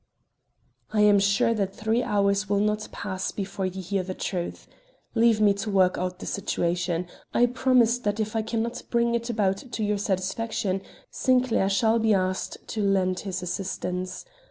"I am sure that three hours will not pass before you hear the truth. Leave me to work out the situation. I promise that if I can not bring it about to your satisfaction, Sinclair shall be asked to lend his assistance.